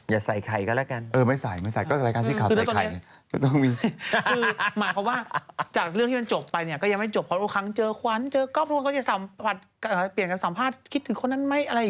อย่าใส่ใครก็แล้วกัน